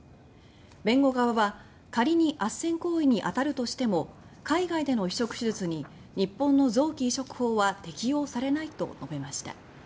弁護側は仮にあっせん行為に当たるとしても海外での移植手術に日本の臓器移植法は適用されないと述べました。